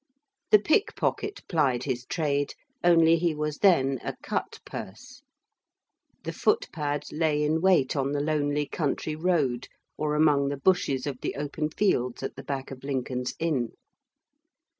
The pickpocket plied his trade, only he was then a cutpurse. The footpad lay in wait on the lonely country road or among the bushes of the open fields at the back of Lincoln's Inn.